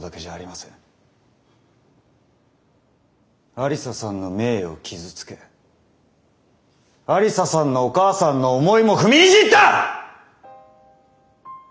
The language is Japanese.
愛理沙さんの名誉を傷つけ愛理沙さんのお母さんの思いも踏みにじった！